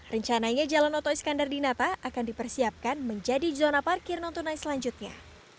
rencananya jalan oto iskandar di nata akan dipersiapkan menjadi zona parkir non tunai selanjutnya